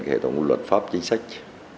cái hệ thống luật pháp chính sách